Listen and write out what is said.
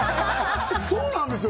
そうなんですよ